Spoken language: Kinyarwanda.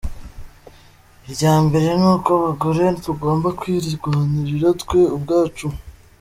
Irya mbere ni uko abagore tugomba kwirwanirira twe ubwacu.